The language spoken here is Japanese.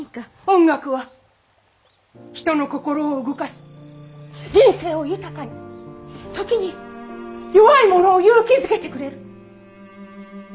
音楽は人の心を動かし人生を豊かに時に弱い者を勇気づけてくれる。